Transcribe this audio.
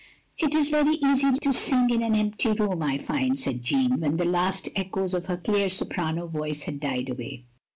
"It is very easy to sing in an empty room, I find, " said Jeanne, when the last echoes of her clear soprano voice had died away.